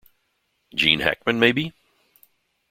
Gene Hackman, maybe.